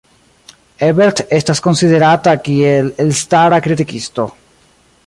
Ebert estas konsiderata kiel elstara kritikisto.